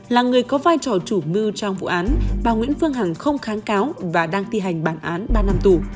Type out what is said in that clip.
là người có vai trò chủ mưu trong vụ án bà nguyễn phương hằng không kháng cáo và đang thi hành bản án ba năm tù